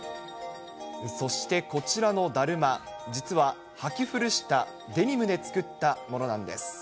そしてこちらのだるま、実は、はき古したデニムで作ったものなんです。